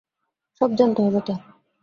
সব জানতে হবে তার!